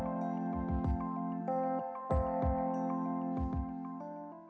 k hammer sedang berpegit investasi untuk brokernya